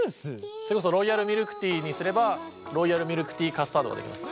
それこそロイヤルミルクティーにすればロイヤルミルクティー・カスタードができます。